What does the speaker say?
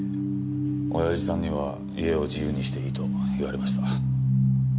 親父さんには家を自由にしていいと言われました。